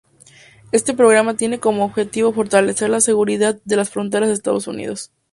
Este programa tiene como objetivo fortalecer la seguridad de las fronteras de Estados Unidos.